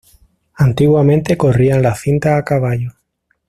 Antiguamente corrían las cintas a caballo.